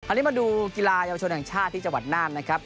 อันนี้มาดูกีฬาเยาวชนแห่งชาติที่จังหวัดน่านนะครับ